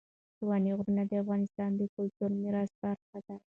ستوني غرونه د افغانستان د کلتوري میراث برخه ده.